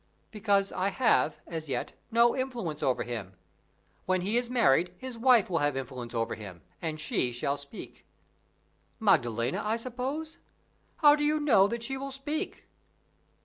"Because I have, as yet, no influence over him. When he is married, his wife will have influence over him, and she shall speak." "Maddalena, I suppose? How do you know that she will speak?"